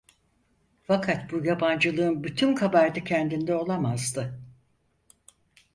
Fakat bu yabancılığın bütün kabahati kendinde olamazdı.